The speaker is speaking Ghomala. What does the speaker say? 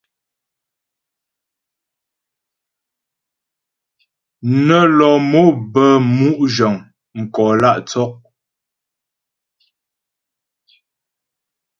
Nə́ lɔ mò bə́ mu' zhəŋ mkò lǎ' tsɔk.